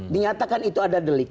dinyatakan itu ada delik